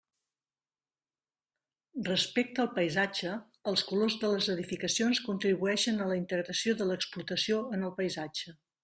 Respecte al paisatge, els colors de les edificacions contribueixen a la integració de l'explotació en el paisatge.